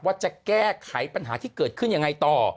ว่าจะแก้ไขปัญหาที่เกิดขึ้นยังไงต่อ